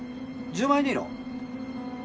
１０万円でいいの？